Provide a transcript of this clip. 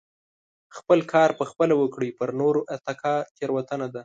خپل کار په خپله وکړئ پر نورو اتکا تيروتنه ده .